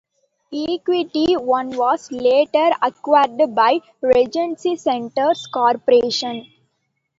Equity One was later acquired by Regency Centers Corporation.